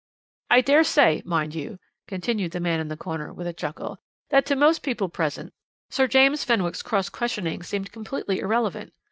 "I dare say, mind you," continued the man in the corner with a chuckle, "that to most people present, Sir James Fenwick's cross questioning seemed completely irrelevant.